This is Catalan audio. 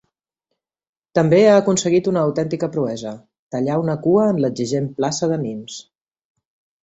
També ha aconseguit una autèntica proesa: tallar una cua en l'exigent plaça de Nimes.